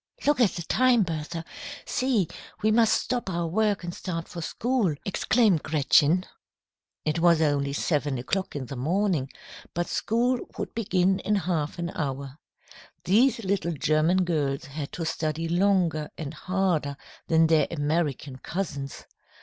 "Look at the time, Bertha. See, we must stop our work and start for school," exclaimed Gretchen. It was only seven o'clock in the morning, but school would begin in half an hour. These little German girls had to study longer and harder than their American cousins.